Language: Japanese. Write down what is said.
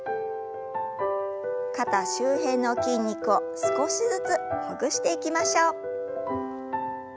肩周辺の筋肉を少しずつほぐしていきましょう。